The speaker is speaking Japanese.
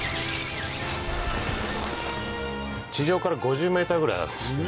地上から５０ｍぐらいあるんですね